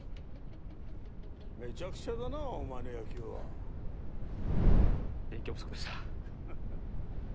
めちゃくちゃだなお前の野球は勉強不足でしたハハハッ